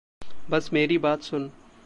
बस मेरी बात सुन।